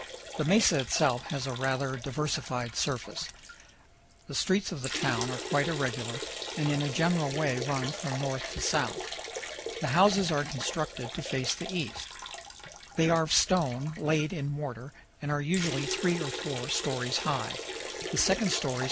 The mesa itself has a rather diversified surface. The streets of the town are quite irregular, and in a general way run from north to south. The houses are constructed to face the east. They are of stone laid in mortar, and are usually three or four stories high.